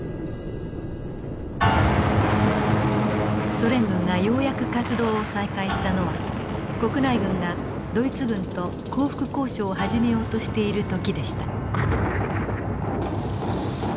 ソ連軍がようやく活動を再開したのは国内軍がドイツ軍と降伏交渉を始めようとしている時でした。